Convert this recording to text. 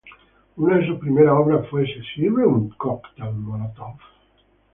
Una de sus primeras obras fue "¿Se sirve un cocktail molotov?